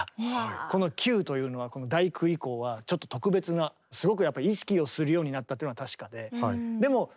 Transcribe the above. この「９」というのは「第九」以降はちょっと特別なすごくやっぱり意識をするようになったっていうのは確かで。